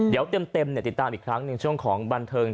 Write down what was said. เดี๋ยวเต็มติดตามอีกครั้งหนึ่งช่วงของบันเทิง